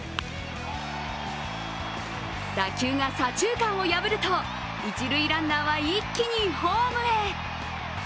打球が左中間を破ると一塁ランナーは一気にホームへ。